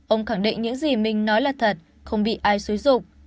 ông khẳng định những gì mình nói là thật không bị ai xúi dục